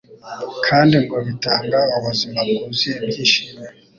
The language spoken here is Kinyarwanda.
kandi ngo bitanga ubuzima bwuzuye ibyishimo.